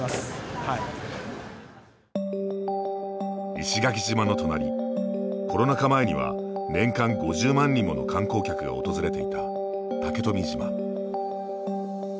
石垣島の隣、コロナ禍前には年間５０万人もの観光客が訪れていた竹富島。